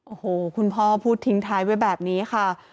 โอ้โหคุณพ่อพูดทิ้งท้ายไว้แบบนี้ค่ะ